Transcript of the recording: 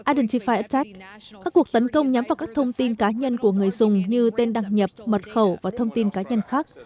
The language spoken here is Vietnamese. identify attack các cuộc tấn công nhắm vào các thông tin cá nhân của người dùng như tên đăng nhập mật khẩu và thông tin cá nhân khác